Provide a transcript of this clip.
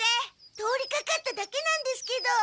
通りかかっただけなんですけど。